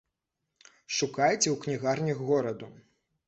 Шукайце ў кнігарнях гораду.